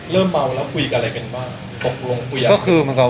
เริ่มเมาแล้วคุยกับอะไรเป็นบ้าง